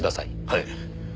はい。